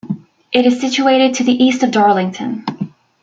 It is situated to the east of Darlington.